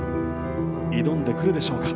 挑んでくるでしょうか。